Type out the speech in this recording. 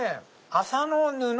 麻の布。